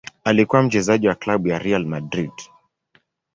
Alikuwa mchezaji wa klabu ya Real Madrid.